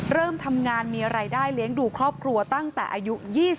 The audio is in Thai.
เริ่มทำงานมีรายได้เลี้ยงดูครอบครัวตั้งแต่อายุ๒๐